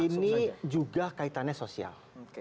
ini juga kaitannya sosial